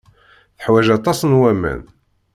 Teḥwaj aṭas n waman.